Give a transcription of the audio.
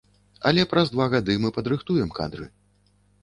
Але праз два гады мы падрыхтуем кадры.